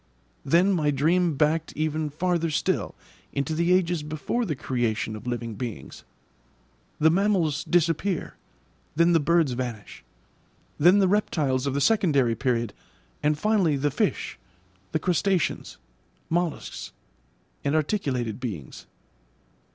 Then my dream backed even farther still into the ages before the creation of living beings. The mammals disappear, then the birds vanish, then the reptiles of the secondary period, and finally the fish, the crustaceans, molluscs, and articulated beings.